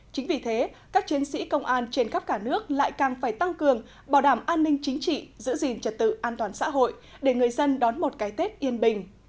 chính vì thế các chiến sĩ công an trên khắp cả nước lại càng phải tăng cường bảo đảm an ninh chính trị giữ gìn trật tự an toàn xã hội để người dân đón một cái tết yên bình